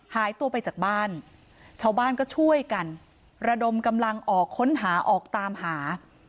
หายตัวไปจากบ้านชาวบ้านก็ช่วยกันระดมกำลังออกค้นหาออกตามหา